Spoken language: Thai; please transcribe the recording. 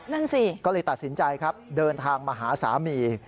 นั่นสิก็เลยตัดสินใจครับเดินทางมาหาสามี